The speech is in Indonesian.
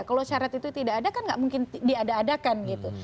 kalau syarat itu tidak ada kan tidak mungkin diadakan gitu